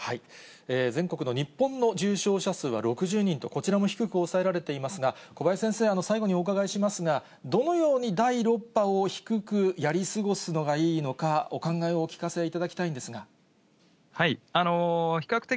全国の日本の重症者数は６０人と、こちらも低く抑えられていますが、小林先生、最後にお伺いしますが、どのように第６波を低くやり過ごすのがいいのか、お考えをお聞か比較的